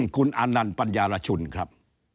คุณอานันต์ปัญญารชุนครับ